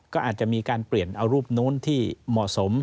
ก็อาจจะมีการเปลี่ยนเอารูปนู้นที่เหมาะสม